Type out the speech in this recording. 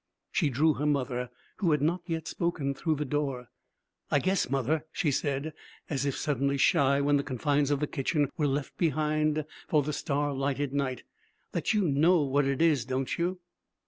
She drew her mother, who had not yet spoken, through the door. 'I guess, mother,' she said, as if suddenly shy when the confines of the kitchen were left behind for the star lighted night, 'that you know what it is, don't you?'